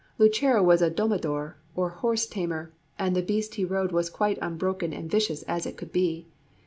Lucero was a domador, or horse tamer, and the beast he rode was quite unbroken and vicious as it could be.